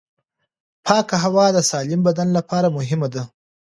پاکه هوا د سالم بدن لپاره مهمه ده.